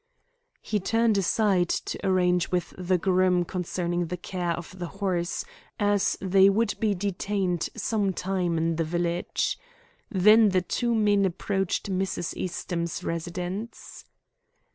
He turned aside to arrange with the groom concerning the care of the horse, as they would be detained some time in the village. Then the two men approached Mrs. Eastham's residence.